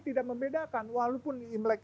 tidak membedakan walaupun imrek